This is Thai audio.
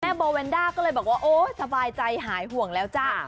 โบแวนด้าก็เลยบอกว่าโอ๊ยสบายใจหายห่วงแล้วจ้า